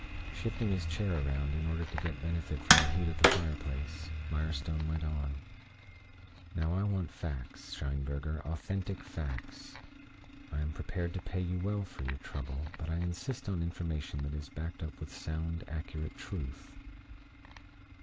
Shifting his chair around in order to get benefit from the heat of the fireplace, Mirestone went on. "Now I want facts, Scheinberger, authentic facts. I am prepared to pay you well for your trouble, but I insist on information that is backed up with sound, accurate truth."